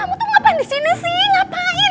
kamu tuh ngapain disini sih ngapain